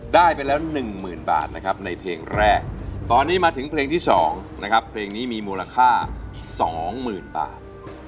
ได้ไปแล้วหนึ่งหมื่นบาทนะครับในเพลงแรกตอนนี้มาถึงเพลงที่สองนะครับเพลงนี้มีมูลค่าสองหมื่นบาท